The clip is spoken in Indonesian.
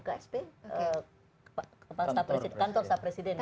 ksp kantor presidennya